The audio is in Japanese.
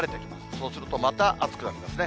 そうすると、また暑くなりますね。